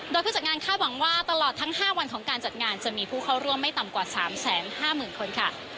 โดยผู้จัดงานคาดหวังว่าตลอดทั้ง๕วันของการจัดงานจะมีผู้เข้าร่วมไม่ต่ำกว่า๓๕๐๐๐คนค่ะ